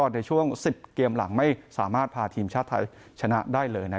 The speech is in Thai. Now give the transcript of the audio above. ในช่วง๑๐เกมหลังไม่สามารถพาทีมชาติไทยชนะได้เลย